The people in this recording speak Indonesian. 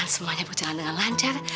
semuanya berjalan dengan lancar